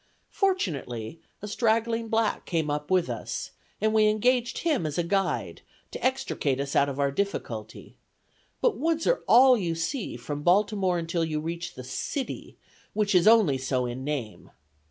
Fortunately, a straggling black came up with us, and we engaged him as a guide, to extricate us out of our difficulty; but woods are all you see, from Baltimore until you reach the city, which is only so in name.